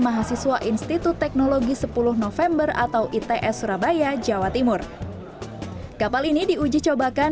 mahasiswa institut teknologi sepuluh november atau its surabaya jawa timur kapal ini diuji cobakan